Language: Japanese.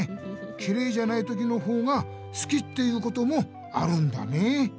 きれいじゃないときのほうがすきっていうこともあるんだねえ。